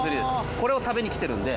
これを食べに来てるんで。